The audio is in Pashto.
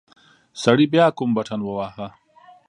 سړي بيا کوم بټن وواهه.